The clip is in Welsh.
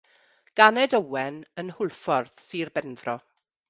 Ganed Owen yn Hwlffordd, Sir Benfro.